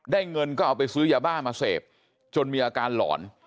เงินก็เอาไปซื้อยาบ้ามาเสพจนมีอาการหลอน